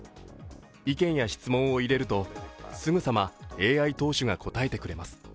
意見や質問を入れるとすぐさまＡＩ党首が答えてくれます。